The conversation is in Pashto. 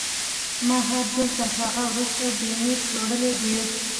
ما هر ځل تر هغه وروسته بيمې پلورلې دي.